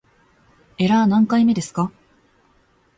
エラー何回目ですか